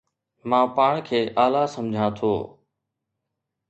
مان پاڻ کي اعليٰ سمجهان ٿو